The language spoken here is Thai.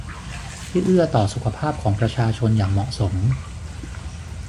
ที่เอื้อต่อสุขภาพของประชาชนอย่างเหมาะสม